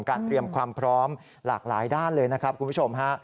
เตรียมความพร้อมหลากหลายด้านเลยนะครับคุณผู้ชมฮะ